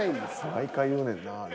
毎回言うねんなあれ。